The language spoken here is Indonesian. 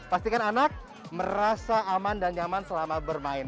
pastikan anak merasa aman dan nyaman selama bermain